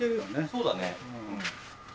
そうだね。